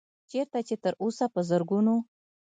چرته چې تر اوسه پۀ زرګونو